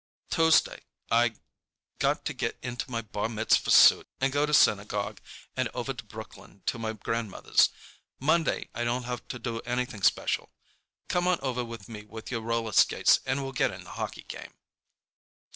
"Tuesday I got to get into my bar mitzvah suit and go to synagogue and over to Brooklyn to my grandmother's. Monday I don't have to do anything special. Come on over with your roller skates and we'll get in the hockey game."